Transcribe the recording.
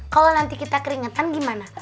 kalau nanti kita keringetan gimana